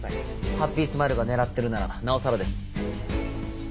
ハッピースマイルが狙ってるならなおさらです。